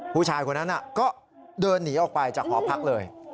ผู้ชายคนนั้นก็เดินหนีออกไปจากหอพักเลย